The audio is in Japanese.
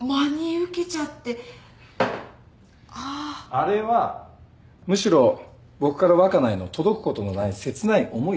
あれはむしろ僕から若菜への届くことのない切ない思いです。